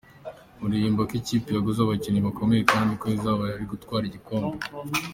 Murabibona ko ikipe yaguze abakinnyi bakomeye kandi bazi ko ikibazanye ari ugutwara igikombe.